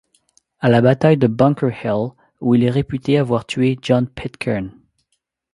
À la bataille de Bunker Hill où il est réputé avoir tué John Pitcairn.